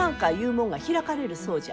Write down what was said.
もんが開かれるそうじゃ。